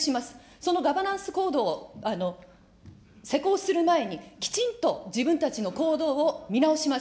そのガバナンス・コードを施行する前に、きちんと自分たちの行動を見直します。